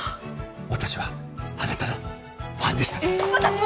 私はあなたのファンでしたえ！？